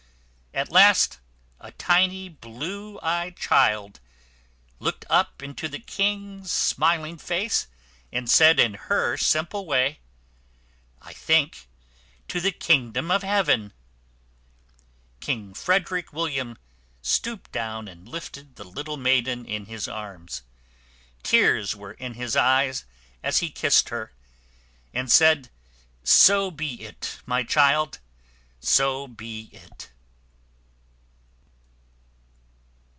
At last a tiny blue eyed child looked up into the king's smiling face, and said in her simple way, "I think to the kingdom of heaven." King Frederick William stooped down and lifted the little maiden in his arms. Tears were in his eyes as he kissed her, and said, "So be it, my child! So be it."